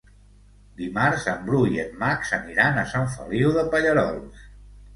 Dimarts en Bru i en Max aniran a Sant Feliu de Pallerols.